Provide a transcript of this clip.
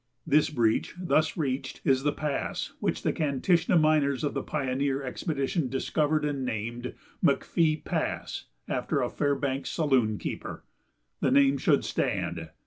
This breach, thus reached, is the pass which the Kantishna miners of the "pioneer" expedition discovered and named "McPhee Pass," after a Fairbanks saloon keeper. The name should stand.